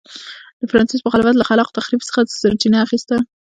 د فرانسیس مخالفت له خلاق تخریب څخه سرچینه اخیسته.